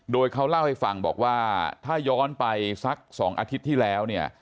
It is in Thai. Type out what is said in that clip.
โดยเขาเล่าให้ฟังบอกว่าถ้าย้อนไปสัก๒อาทิตย์ที่แล้วเนี่ย